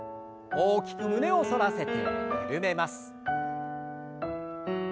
大きく胸を反らせて緩めます。